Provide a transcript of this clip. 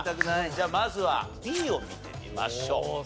じゃあまずはＢを見てみましょう。